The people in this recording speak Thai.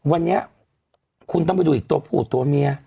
วันนี้คุณต้องไปดูอีกตัวผู้ตัวเมีย